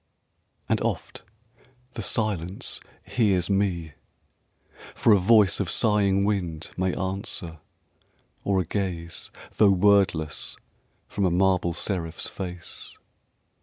And oft the Silence hears me. For a voice Of sighing wind may answer, or a gaze, Though wordless, from a marble seraph's face.